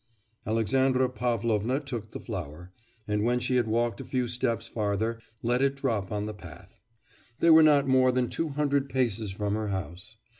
Alexandra Pavlovna took the flower, and when she had walked a few steps farther, let it drop on the path. They were not more than two hundred paces from her house.